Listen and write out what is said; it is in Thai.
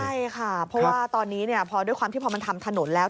ใช่ค่ะเพราะว่าตอนนี้พอมันทำถนนแล้ว